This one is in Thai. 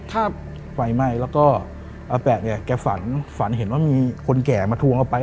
ครับไฟไหม้แล้วก็อาแปะเนี่ยแกฝันฝันเห็นว่ามีคนแก่มาทวงเอาไป